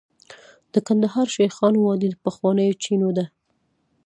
د کندهار شیخانو وادي د پخوانیو چینو ده